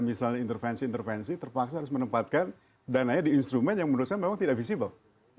misalnya intervensi intervensi terpaksa harus menempatkan dananya di instrumen yang menurut saya memang tidak visible